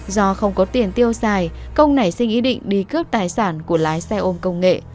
do không có tiền tiêu xài công nảy sinh ý định đi cướp tài sản của lái xe ôm công nghệ